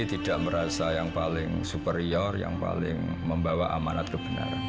tidak merasa yang paling superior yang paling membawa amanat kebenaran